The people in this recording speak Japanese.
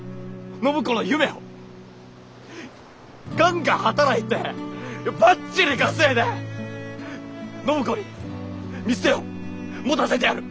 ガンガン働いてばっちり稼いで暢子に店を持たせてやる！